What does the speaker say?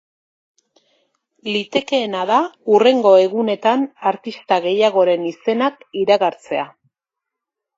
Litekeena da hurrengo egunetan artista gehiagoren izenak iragartzea.